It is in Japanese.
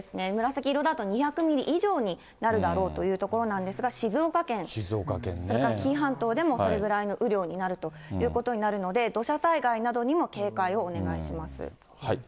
紫色だと２００ミリ以上になるだろうということなんですが、静岡県、それから紀伊半島でもそれぐらいの雨量になるということになるので、土砂災害などにも警戒をお願いします。